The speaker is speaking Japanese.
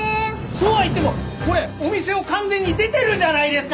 そうは言ってもこれお店を完全に出てるじゃないですか